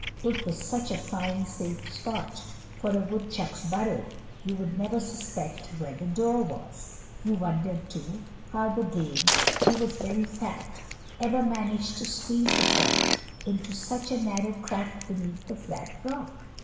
It was such a fine, safe spot for a woodchuck's burrow; you would never suspect where the door was. You wondered too how the Dame, who was very fat, ever managed to squeeze herself into such a narrow crack beneath the flat rock.